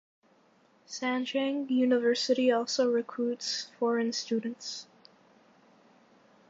Sanjiang University also recruits foreign students.